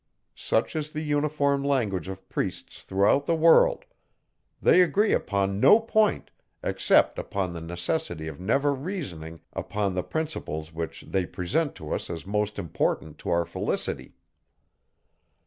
Such is the uniform language of priests throughout the world; they agree upon no point, except upon the necessity of never reasoning upon the principles which they present to us as most important to our felicity!